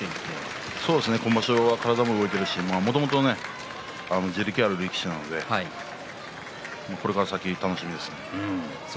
今場所は体も動いていてもともと地力のある力士なのでこれから先、楽しみです。